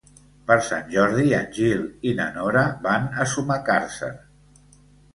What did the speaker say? Per Sant Jordi en Gil i na Nora van a Sumacàrcer.